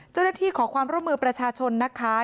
เจ้าหน้าที่ขอความร่วมมือประชาชนนะคะ